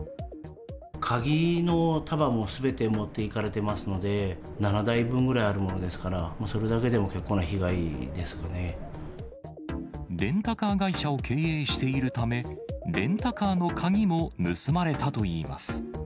鍵の束もすべて持っていかれていますので、７台分ぐらいあるものですから、レンタカー会社を経営しているため、レンタカーの鍵も盗まれたといいます。